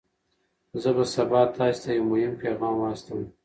زه به سبا تاسي ته یو مهم پیغام واستوم.